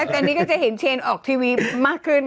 ตอนนี้ก็จะเห็นเชนออกทีวีมากขึ้น